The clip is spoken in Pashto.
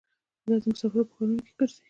دا مسافر په ښارونو کې ګرځي.